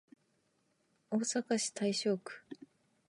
大阪市大正区